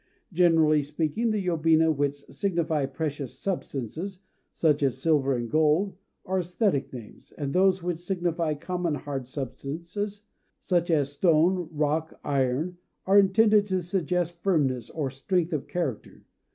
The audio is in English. Generally speaking, the yobina which signify precious substances, such as silver and gold, are æsthetic names; and those which signify common hard substances, such as stone, rock, iron, are intended to suggest firmness or strength of character.